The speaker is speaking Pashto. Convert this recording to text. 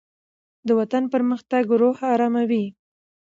دوطن پرمختګ روح آراموي